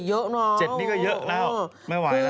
เยอะน้อง